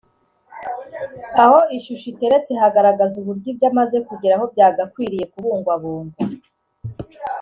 aho ishusho iteretse hagaragaza uburyo ibyo amaze kugeraho byagakwiriye kubungwabungwa